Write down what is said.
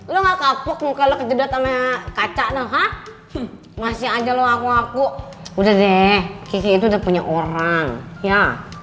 lo nggak kapuk mukul kejadatan kaca ngeha masih aja lu aku aku udah deh itu udah punya orang ya